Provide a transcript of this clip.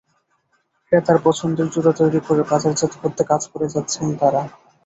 ক্রেতার পছন্দের জুতা তৈরি করে বাজারজাত করতে কাজ করে যাচ্ছেন তাঁরা।